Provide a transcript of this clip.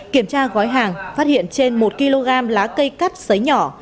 kiểm tra gói hàng phát hiện trên một kg lá cây cắt xấy nhỏ